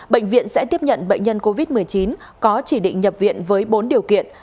bệnh viện sẽ tiếp nhận bệnh nhân covid một mươi chín có chỉ định nhập viện với bốn điều kiện